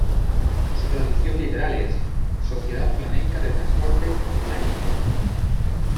Su traducción literal es: "Sociedad flamenca de transporte "La Línea".